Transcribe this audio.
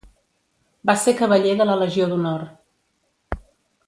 Va ser cavaller de la Legió d'Honor.